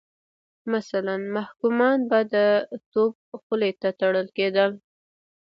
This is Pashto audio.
مثلا محکومان به د توپ خولې ته تړل کېدل.